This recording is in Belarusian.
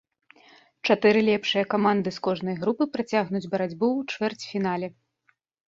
Чатыры лепшыя каманды з кожнай групы працягнуць барацьбу ў чвэрцьфінале.